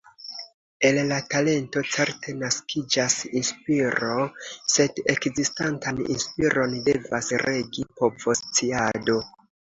El la talento certe naskiĝas inspiro, sed ekzistantan inspiron devas regi povosciado.